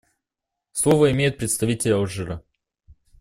Слово имеет представитель Алжира.